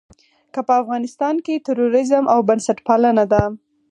که په افغانستان کې تروريزم او بنسټپالنه ده.